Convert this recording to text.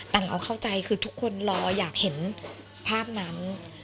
แต่เราเข้าใจคือทุกคนรออยากเห็นภาพนั้น